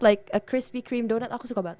like a crispy cream donut aku suka banget